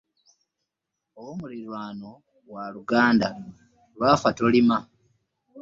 Ow'omulirwano waluganda lwafa Tolima .